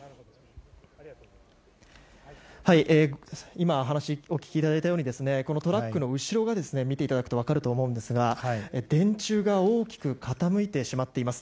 今、お話をお聞きいただいたようにトラックの後ろ見ていただくと分かると思いますが電柱が大きく傾いてしまっています。